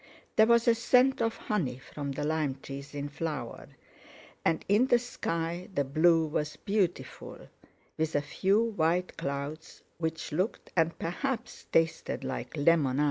There was a scent of honey from the lime trees in flower, and in the sky the blue was beautiful, with a few white clouds which looked and perhaps tasted like lemon ice.